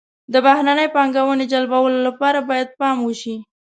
د بهرنۍ پانګونې جلبولو لپاره باید پام وشي.